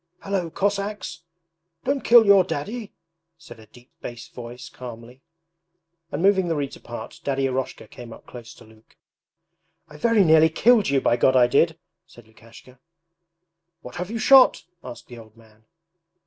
'Hallo, Cossacks! Don't kill your Daddy!' said a deep bass voice calmly; and moving the reeds apart Daddy Eroshka came up close to Luke. 'I very nearly killed you, by God I did!' said Lukashka. 'What have you shot?' asked the old man.